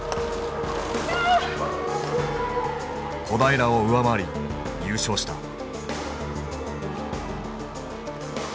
小平を上回り優勝した。